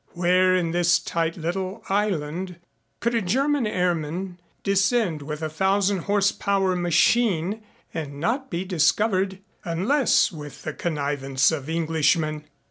Where in this tight little island could a German airman descend with a thousand horsepower machine and not be discovered unless with the connivance of Englishmen?